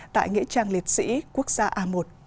tại nghệ trang liệt sĩ quốc gia a một